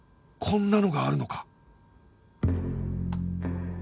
こんなのがあるのか